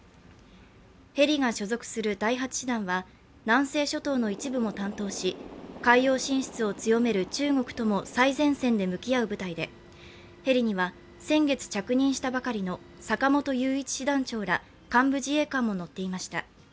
ヘリが所属する第８師団は南西諸島の一部も担当し海洋進出を強める中国とも最前線で向き合う部隊でヘリには先月、着任したばかりの坂本雄一師団長ら幹部自衛官も乗っていました。